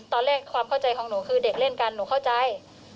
ตอนแรกความเข้าใจของหนูคือเด็กเล่นกันหนูเข้าใจ